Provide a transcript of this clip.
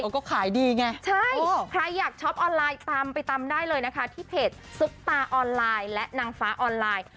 ก็ขายดีไงใช่ใครอยากช้อปออนไลน์ตามไปตามได้เลยนะคะที่เพจซุปตาออนไลน์และนางฟ้าออนไลน์